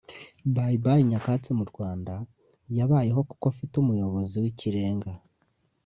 Bye Bye Nyakatsi mu Rwanda yabayeho kuko mfite umuyobozi w’ikirenga